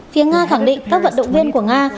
phía nga khẳng định các vận động viên của nga